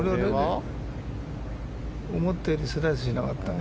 思ったよりスライスしなかったね。